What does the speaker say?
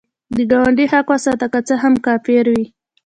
د ګاونډي حق وساته، که څه هم کافر وي